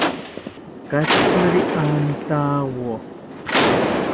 Katshiri antawo